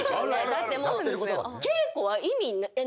だってもう。